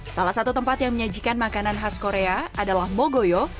salah satu tempat yang menyajikan makanan khas korea adalah mogoyo